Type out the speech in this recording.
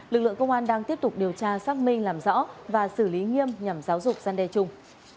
lực lượng công an đang tiếp tục điều tra xác minh làm rõ và xử lý nghiêm nhằm giáo dục gian đe chung